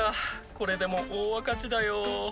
これでも大赤字だよ。